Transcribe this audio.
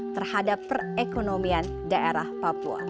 terhadap perekonomian daerah papua